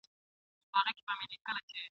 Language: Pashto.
خر د هري ورځي بار ته په کاریږي ..